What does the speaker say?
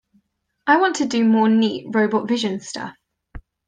I want to do more neat robot vision stuff.